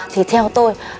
thì theo tôi